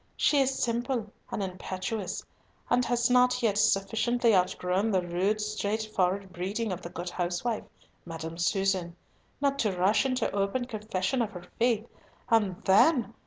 She is simple and impetuous, and has not yet sufficiently outgrown the rude straightforward breeding of the good housewife, Madam Susan, not to rush into open confession of her faith, and then!